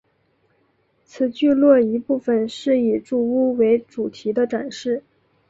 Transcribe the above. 此聚落一部份是以住屋为主题的展示。